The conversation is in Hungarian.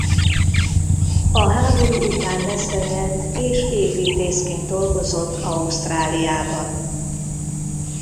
A háború után leszerelt és építészként dolgozott Ausztráliában.